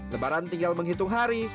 lebaran tinggal menghitung hari